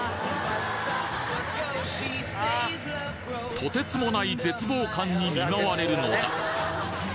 とてつもない絶望感に見舞われるのだ